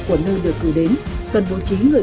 của nơi được cứu đến cần bố trí người